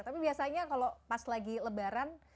tapi biasanya kalau pas lagi lebaran